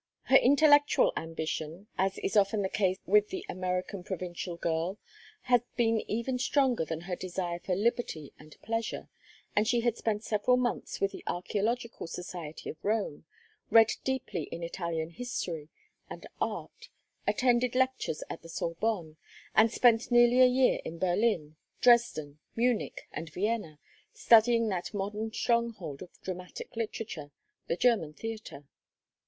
Her intellectual ambition, as is often the case with the American provincial girl, had been even stronger than her desire for liberty and pleasure, and she had spent several months with the archæological society of Rome, read deeply in Italian history and art, attended lectures at the Sorbonne, and spent nearly a year in Berlin, Dresden, Munich, and Vienna, studying that modern stronghold of dramatic literature, the German Theatre.